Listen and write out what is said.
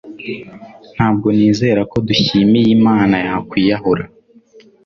Ntabwo nizera ko Dushyimiyimana yakwiyahura